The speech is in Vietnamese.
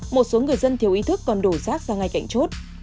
một số người dân thiếu ý thức còn đổ rác ra ngay cạnh chốt